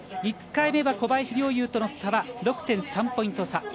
１回目は小林陵侑との差は６．３ポイント差。